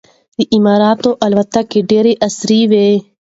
د اماراتو الوتکه ډېره عصري وه.